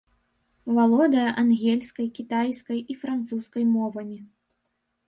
Валодае ангельскай, кітайскай і французскай мовамі.